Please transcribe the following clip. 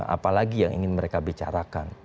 apalagi yang ingin mereka bicarakan